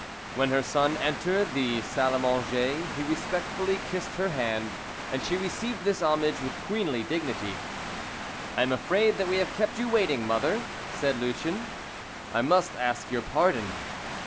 When her son entered the salle à manger, he respectfully kissed her hand, and she received this homage with queenly dignity. "I am afraid that we have kept you waiting, mother," said Lucien; "I must ask your pardon."